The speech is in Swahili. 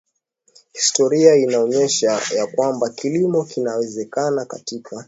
Historia inaonyesha ya kwamba kilimo kinawezekana katika